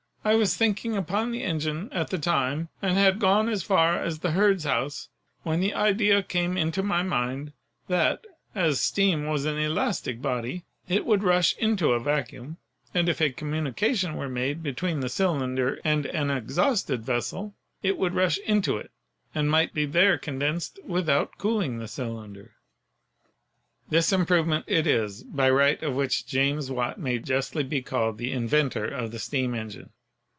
I was thinking upon the engine at the time, and had gone as far as the herd's house when the idea came into my mind that, as steam was an elastic body, it would rush into a vacuum, and if a communication were made between the cylinder and an exhausted vessel, it would rush into it and might be there condensed without cooling the cylinder." This improvement it is by right of which James Watt may justly be called the "inventor" of the steam engine.